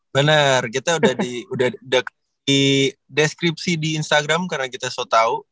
bener kita udah di deskripsi di instagram karena kita sotau